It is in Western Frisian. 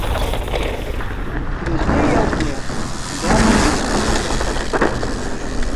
Der is gjin jild mear en dêrmei út.